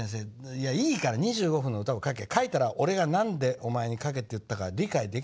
「いやいいから２５分の歌を書け書いたら俺が何でおまえに書けと言ったか理解できるから書け」。